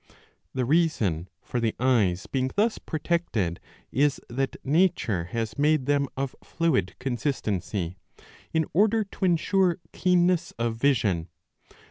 The reason for the eyes being thus protected is that nature has made them of fluid consistency, in order to ensure keenness of vision.